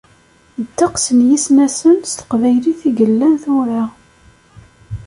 Ddeqs n yisnasen s teqbaylit i yellan tura.